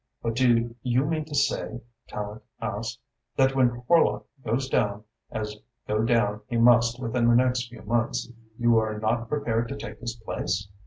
"But do you mean to say," Tallente asked, "that when Horlock goes down, as go down he must within the next few months, you are not prepared to take his place?"